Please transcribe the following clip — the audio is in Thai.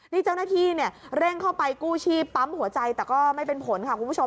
นี่เจ้าหน้าที่เนี่ยเร่งเข้าไปกู้ชีพปั๊มหัวใจแต่ก็ไม่เป็นผลค่ะคุณผู้ชม